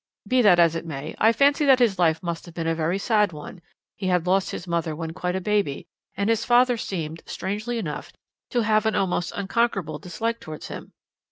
Be that as it may, I fancy that his life must have been a very sad one; he had lost his mother when quite a baby, and his father seemed, strangely enough, to have an almost unconquerable dislike towards him.